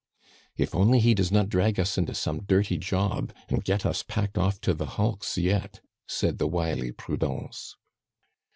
"If only he does not drag us into some dirty job, and get us packed off to the hulks yet," said the wily Prudence.